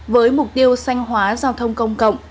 với mục tiêu xanh hóa giao thông công cộng